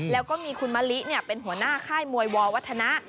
แล้วก็มีคุณมะลิเป็นหัวหน้าค่ายมวยวัฒนะ